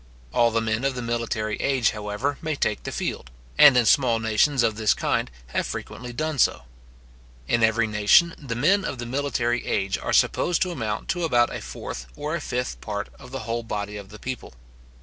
All the men of the military age, however, may take the field, and in small nations of this kind, have frequently done so. In every nation, the men of the military age are supposed to amount to about a fourth or a fifth part of the whole body of the people.